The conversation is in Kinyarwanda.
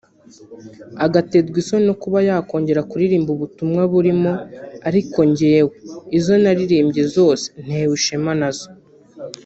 agaterwa isoni no kuba yakongera kuririmba ubutumwa burimo ariko njyewe izo naririmbye zose ntewe ishema nazo